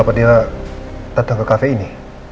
apa diri anda ke cafe ini